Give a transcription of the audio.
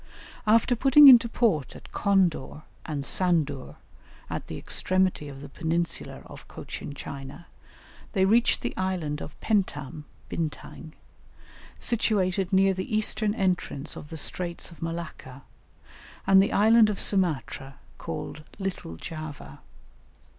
After putting into port at Condor and Sandur, at the extremity of the peninsular of Cochin China, they reached the island of Pentam (Bintang), situated near the eastern entrance of the straits of Malacca, and the island of Sumatra, called Little Java.